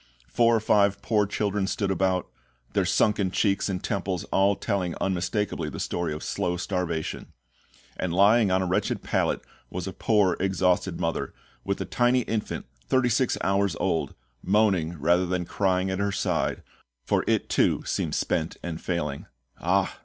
Four or five poor children stood about, their sunken cheeks and temples all telling unmistakably the story of slow starvation; and lying on a wretched pallet was a poor exhausted mother, with a tiny infant thirty six hours old, moaning rather than crying at her side, for it too seemed spent and failing. "Ah!"